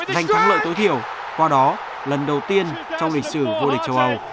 giành thắng lợi tối thiểu qua đó lần đầu tiên trong lịch sử vô địch châu âu